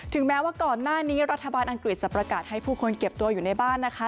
แม้ว่าก่อนหน้านี้รัฐบาลอังกฤษจะประกาศให้ผู้คนเก็บตัวอยู่ในบ้านนะคะ